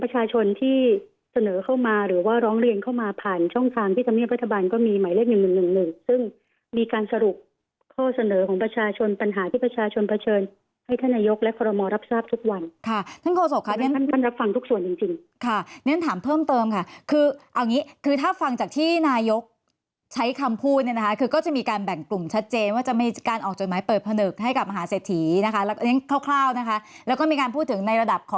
หรือว่ารักษณะของการช่วยเหลืออย่างคุณจำควรลองนึก